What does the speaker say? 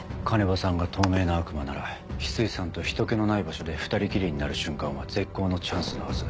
鐘場さんが透明な悪魔なら翡翠さんと人けのない場所で２人きりになる瞬間は絶好のチャンスのはず。